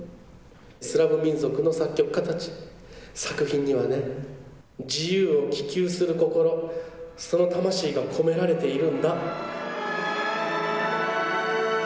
スラブ民族の作曲家たち、作品にはね、自由を希求する心、その魂が込められているんだ。